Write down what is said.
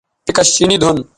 پھیکش چینی دُھن